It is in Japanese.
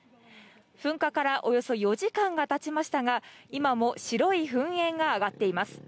噴火からおよそ４時間がたちましたが、今も白い噴煙が上がっています。